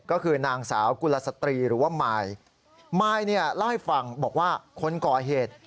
ก็คือนางสาวกุลสตรีหรือว่าไมล์ไมล์เนี้ยไล่ฟังบอกว่าคนก่อเหตุ